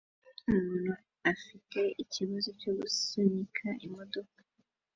Umuntu afite ikibazo cyo gusunika imodoka